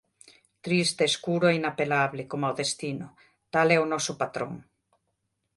Triste, escuro e inapelable, coma o destino: tal é o noso patrón.